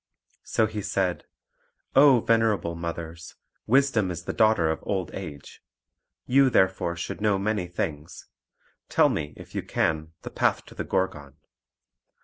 So he said, "Oh, venerable mothers, wisdom is the daughter of old age. You therefore should know many things. Tell me, if you can, the path to the Gorgon."